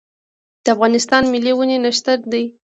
د افغانستان ملي ونې نښتر دی